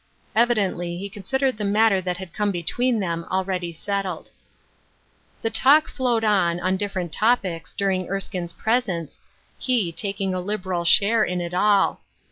Evidently, he considered the matter that had come between them, already settled. The talk flowed on, on different topics, during Erskine's presence, he taking a liberal share in it all.